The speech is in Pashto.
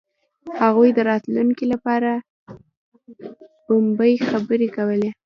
هغوی د راتلونکي لپاره مبهمې خبرې کولې.